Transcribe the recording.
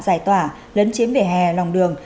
giải tỏa lấn chiếm vỉa hè lòng đường